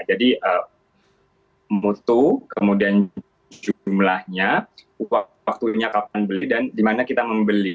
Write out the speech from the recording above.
jadi mutu kemudian jumlahnya waktunya kapan beli dan dimana kita membeli